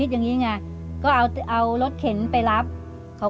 ไม่ตายแล้ว